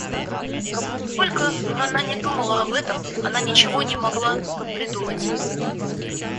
Сколько она ни думала об этом, она ничего не могла придумать.